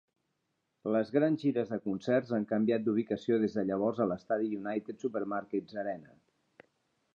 Les grans gires de concerts han canviat d'ubicació des de llavors a l'estadi United Supermarkets Arena.